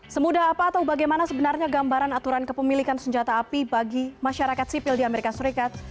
semudah apa atau bagaimana sebenarnya gambaran aturan kepemilikan senjata api bagi masyarakat sipil di amerika serikat